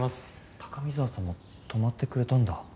高見沢さんも泊まってくれたんだ。